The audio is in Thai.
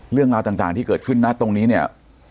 เรื่องราวต่างที่เกิดขึ้นนะตรงนี้เนี่ย